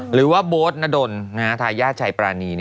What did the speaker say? หรือว่าโบ๊ทนดลทายาทชัยปรานี